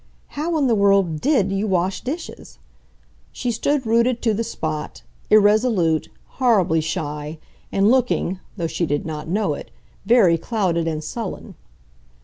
How in the world DID you wash dishes? She stood rooted to the spot, irresolute, horribly shy, and looking, though she did not know it, very clouded and sullen.